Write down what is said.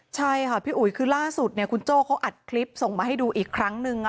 ใช่ค่ะพี่อุ๋ยคือล่าสุดคุณโจ้เขาอัดคลิปส่งมาให้ดูอีกครั้งนึง